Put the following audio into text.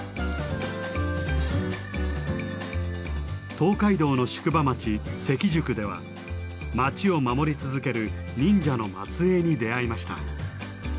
東海道の宿場町関宿では町を守り続ける忍者の末えいに出会いました。